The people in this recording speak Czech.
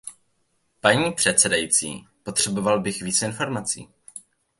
Paní předsedající, potřeboval bych více informací.